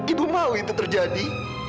ibu mau itu terjadi